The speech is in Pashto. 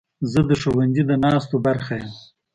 زه د ښوونځي د ناستو برخه یم.